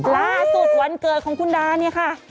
ล่าสุดวันเกิดของคุณดาเนี่ยค่ะ